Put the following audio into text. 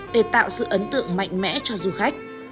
để tạo sự ấn tượng mạnh mẽ cho du khách